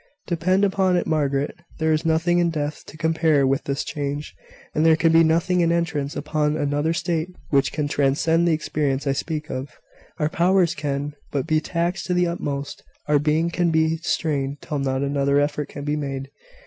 Depend upon it, Margaret, there is nothing in death to compare with this change; and there can be nothing in entrance upon another state which can transcend the experience I speak of. Our powers can but be taxed to the utmost. Our being can but be strained till not another effort can be made.